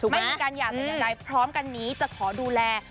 ไม่มีการหยาสั่งยังไงพร้อมกันนี้จะขอดูแล